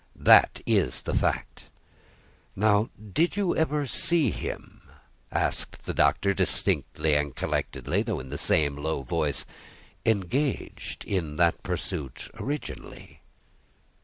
"That is the fact." "Now, did you ever see him," asked the Doctor, distinctly and collectedly, though in the same low voice, "engaged in that pursuit originally?"